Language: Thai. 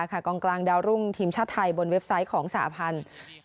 กองกลางดาวรุ่งทีมชาติไทยบนเว็บไซต์ของสหพันธุ์